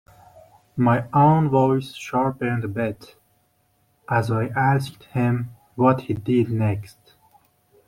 My own voice sharpened a bit as I asked him what he did next.